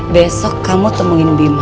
besok kamu temuin bima